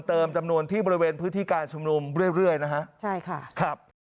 เติมจำนวนที่บริเวณพื้นที่การชุมนุมเรื่อยเรื่อยนะฮะใช่ค่ะครับ